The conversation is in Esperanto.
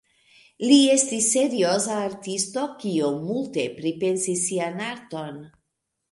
Li estis serioza artisto, kiu multe pripensis sian arton.